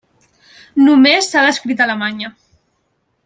Només s'ha descrit a Alemanya.